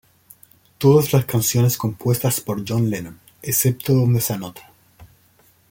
Todas las canciones compuestas por John Lennon excepto donde se anota.